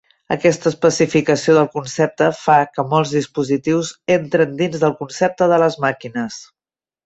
Aquesta especificació del concepte fa que molts dispositius entren dins del concepte de les màquines.